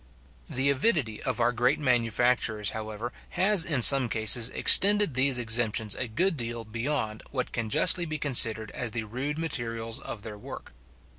The avidity of our great manufacturers, however, has in some cases extended these exemptions a good deal beyond what can justly be considered as the rude materials of their work.